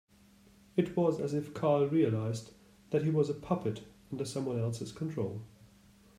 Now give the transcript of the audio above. It was as if Carl realised that he was a puppet under someone else's control.